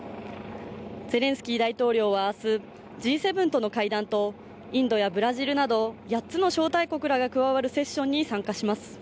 ゼレンスキー大統領は明日、Ｇ７との会談とインドやブラジルなど８つの招待国らが加わるセッションに参加します。